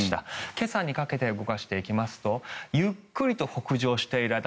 今朝にかけて動かしていきますとゆっくりと北上している間